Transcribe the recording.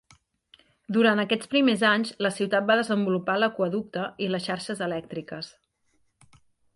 Durant aquests primers anys, la ciutat va desenvolupar l'aqüeducte i les xarxes elèctriques.